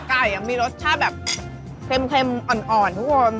ไก่มีรสชาติแบบเค็มอ่อนทุกคน